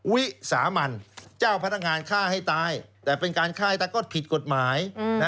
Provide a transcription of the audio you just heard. วิสามันเจ้าพนักงานฆ่าให้ตายแต่เป็นการฆ่าแต่ก็ผิดกฎหมาย